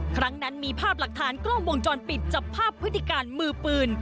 ครั้งนั้นมีภาพหลักฐานกล้องวงจรปิดจับภาพพฤติการมือปืน